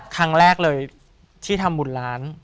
ครั้งแรกเลยที่ทำบุญร้าน